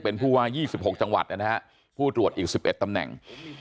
เป็นผู้ว่ายี่สิบหกจังหวัดนะครับผู้ตรวจอีก๑๑ตำแหน่ง